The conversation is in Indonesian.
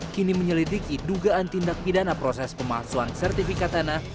kini menyelidiki dugaan tindak pidana proses pemalsuan sertifikat tanah